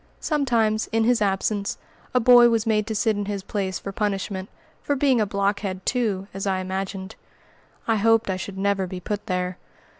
Sometimes, in his absence, a boy was made to sit in his place for punishment, for being a "blockhead" too, as I imagined. I hoped I should never be put there.